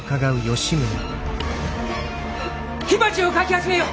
火鉢をかき集めよ！